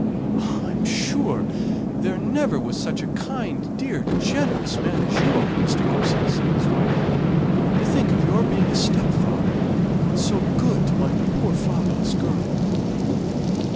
"I'm sure there never was such a kind, dear, generous man as you are, Mr. Gibson," said his wife. "To think of your being a stepfather! and so good to my poor fatherless girl!